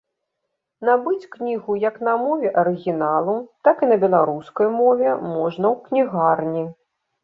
Набыць кнігу як на мове арыгіналу, так і на беларускай мове можна ў кнігарні.